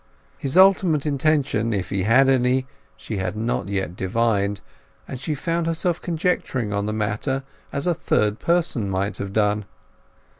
His ultimate intention, if he had any, she had not yet divined; and she found herself conjecturing on the matter as a third person might have done.